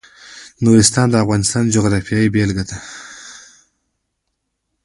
نورستان د افغانستان د جغرافیې بېلګه ده.